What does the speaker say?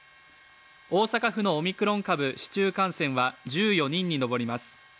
大阪府のオミクロン株市中感染は、１４人に上ります。